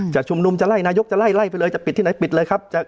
จะชุมนุมจะไล่นายกจะไล่ไล่ไปเลยจะปิดที่ไหนปิดเลยครับ